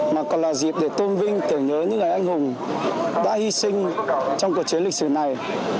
mà còn là dịp để tôn vinh tưởng nhớ những người anh hùng đã hy sinh trong cuộc chiến lịch sử này